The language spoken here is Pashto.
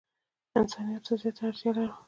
انسانیت ته زیاته اړتیا لرو.